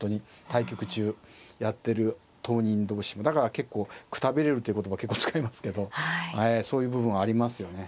対局中やってる当人同士もだから結構くたびれるっていう言葉結構使いますけどそういう部分はありますよね。